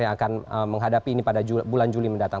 yang akan menghadapi ini pada bulan juli mendatang